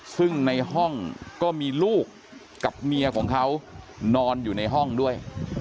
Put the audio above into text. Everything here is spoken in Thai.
ซึ่งในห้องก็มีลูกกับเมียของเขานอนอยู่ในห้องด้วย